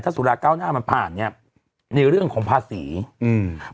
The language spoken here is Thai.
สุราเก้าหน้ามันผ่านเนี้ยในเรื่องของภาษีอืม